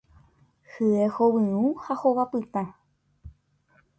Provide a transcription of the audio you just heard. Hye hovyũ ha hova pytã.